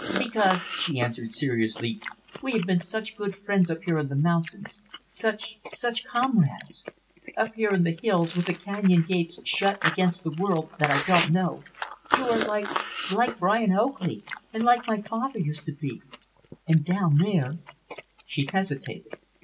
"Because" she answered seriously "we have been such good friends up here in the mountains; such such comrades. Up here in the hills, with the canyon gates shut against the world that I don't know, you are like like Brian Oakley and like my father used to be and down there" she hesitated.